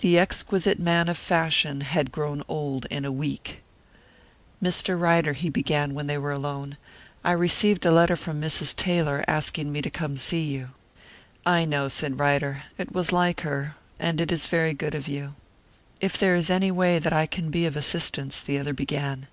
The exquisite man of fashion had grown old in a week. "Mr. Ryder," he began, when they were alone, "I received a letter from Mrs. Taylor, asking me to come to see you." "I know," said Ryder. "It was like her; and it is very good of you." "If there is any way that I can be of assistance," the other began.